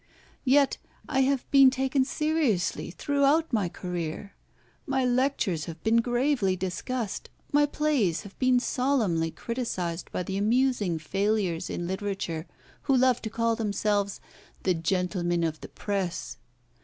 Yet I have been taken seriously throughout my career. My lectures have been gravely discussed. My plays have been solemnly criticised by the amusing failures in literature who love to call themselves 'the gentlemen of the press.'